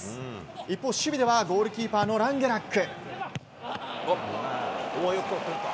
一方、守備ではゴールキーパーのランゲラック。